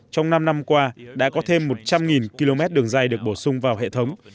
trong năm năm qua đã có thêm một trăm linh km đường dây được bổ sung vào hệ thống